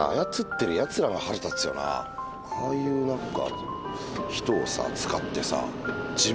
ああいう何か。